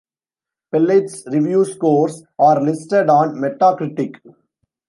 Pelit's review scores are listed on Metacritic.